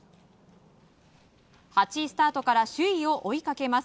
８位スタートから首位を追いかけます。